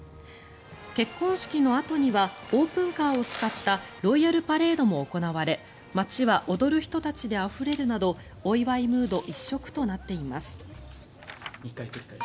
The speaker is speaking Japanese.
結婚式のあとにはオープンカーを使ったロイヤルパレードも行われ街は踊る人たちであふれるなどお祝いムード一色となっています。